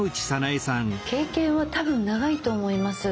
経験は多分長いと思います。